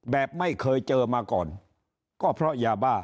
แบบไม่เคยเจอมาก่อนก็เพราะยาบ้า